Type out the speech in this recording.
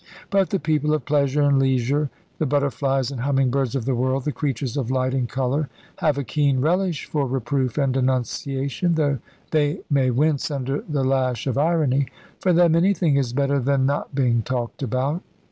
But the people of pleasure and leisure, the butterflies and humming birds of the world, the creatures of light and colour, have a keen relish for reproof and denunciation, though they may wince under the lash of irony. For them anything is better than not being talked about.